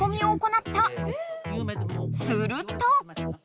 すると！